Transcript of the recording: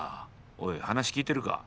おい話聞いてるか？